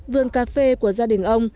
vườn cà phê của gia đình ông